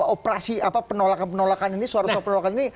operasi penolakan penolakan ini